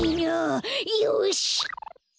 よし！